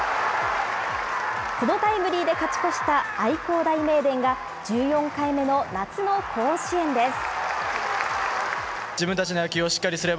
このタイムリーで勝ち越した愛工大名電が、１４回目の夏の甲子園です。